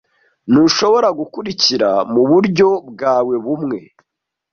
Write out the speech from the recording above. ntushobora gukurikira muburyo bwawe bumwe